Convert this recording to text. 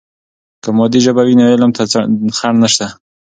که مادي ژبه وي نو علم ته خنډ نسته.